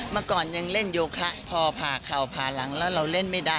เมื่อก่อนยังเล่นโยคะพอผ่าเข่าผ่าหลังแล้วเราเล่นไม่ได้